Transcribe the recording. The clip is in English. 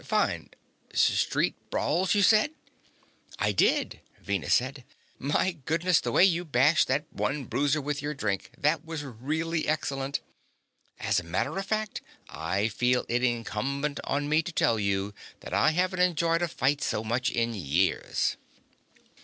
Fine. Street brawls, you said?" "I did," Venus said. "My goodness, the way you bashed that one bruiser with your drink that was really excellent. As a matter of fact, I feel it incumbent on me to tell you that I haven't enjoyed a fight so much in years."